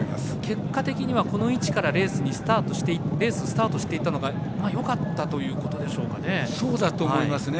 結果的にはこの位置からレースをスタートしていたのがよかったそうだと思いますね。